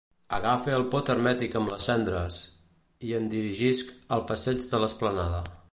Agafe el pot hermètic amb les cendres i em dirigisc al passeig de l'Esplanada.